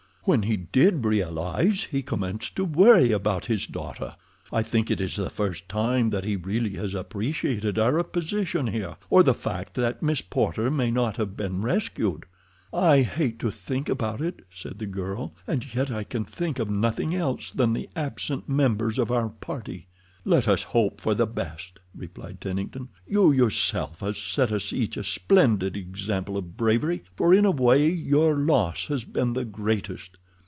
"When he did realize he commenced to worry about his daughter—I think it is the first time that he really has appreciated our position here, or the fact that Miss Porter may not have been rescued." "I hate to think about it," said the girl, "and yet I can think of nothing else than the absent members of our party." "Let us hope for the best," replied Tennington. "You yourself have set us each a splendid example of bravery, for in a way your loss has been the greatest."